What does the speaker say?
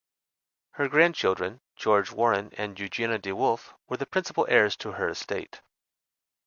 Her grandchildren, George Warren and Eugenia DeWolfe, were the principal heirs to her estate.